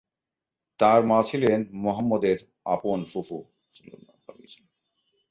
তার মা ছিলেন মুহাম্মদের আপন ফুফু।